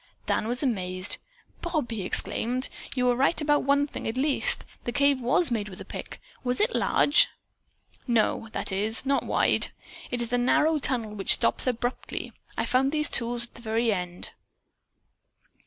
Dan was amazed. "Bob," he exclaimed, "you were right about one thing at least. The cave was made with a pick. Was it large?" "No; that is, not wide. It is a narrow tunnel which stops abruptly. I found these tools at the very end."